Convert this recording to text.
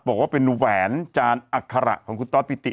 บอกว่าเป็นแหวนจานอัคระของคุณตอสปิติ